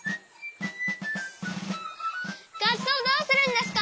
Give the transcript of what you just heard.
がっそうどうするんですか？